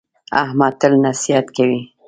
احمد تل نصیحت کوي.